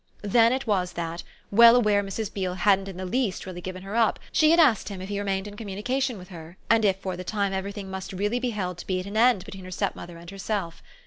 Then it was that, well aware Mrs. Beale hadn't in the least really given her up, she had asked him if he remained in communication with her and if for the time everything must really be held to be at an end between her stepmother and herself.